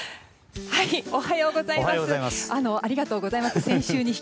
おはようございます。